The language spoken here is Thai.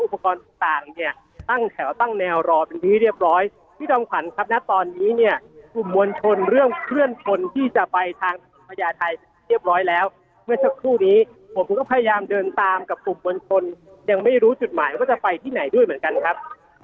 พญาไทยเรียบร้อยแล้วเมื่อสักครู่นี้ผมก็พยายามเดินตามกับกลุ่มบริเวณคนยังไม่รู้จุดหมายว่าจะไปที่ไหนด้วยเหมือนกันครับ